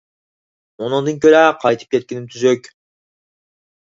ئۇنىڭدىن كۆرە قايتىپ كەتكىنىم تۈزۈك.